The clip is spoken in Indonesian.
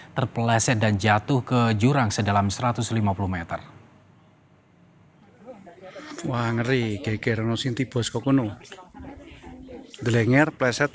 terpeleset dan jatuh ke jurang sedalam satu ratus lima puluh meter